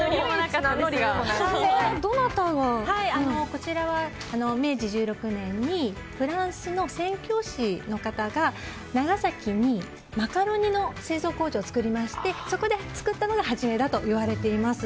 こちらは、明治１６年にフランスの宣教師の方が長崎にマカロニの製造工場を作りましてそこで作ったのが初めだといわれています。